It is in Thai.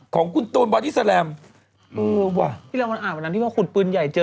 ของคุณตูนบอดี้แลมเออว่ะที่เรามาอ่านวันนั้นที่ว่าขุดปืนใหญ่เจอ